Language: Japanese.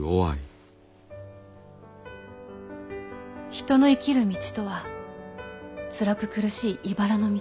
人の生きる道とはつらく苦しい茨の道。